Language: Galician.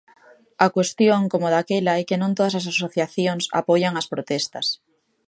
A cuestión, como daquela, é que non todas as asociacións apoian as protestas.